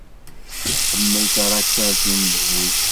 Iḥemmel tarakalt d umezruy.